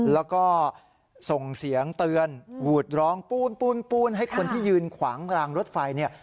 แล้วก็ส่งเสียงเตือนหวูดร้องปูนปูนให้คนที่ยืนขวางรางรถไฟเนี่ย